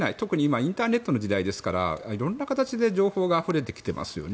インターネットの時代ですからいろんな形で情報があふれていますよね。